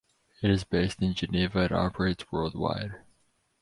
It is based in Geneva and operates worldwide.